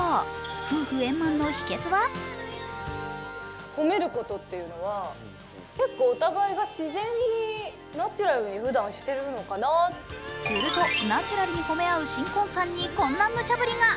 夫婦円満の秘けつはするとナチュラルに褒め合う新婚さんにこんなむちゃぶりが。